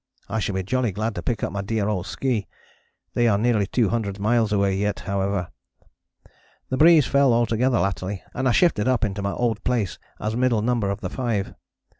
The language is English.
I shall be jolly glad to pick up my dear old ski. They are nearly 200 miles away yet, however. The breeze fell altogether latterly and I shifted up into my old place as middle number of the five.